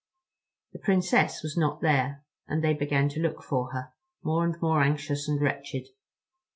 The Princess was not there, and they began to look for her, more and more anxious and wretched.